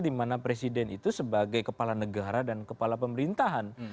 dimana presiden itu sebagai kepala negara dan kepala pemerintahan